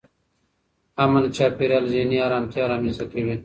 امن چاپېریال ذهني ارامتیا رامنځته کوي.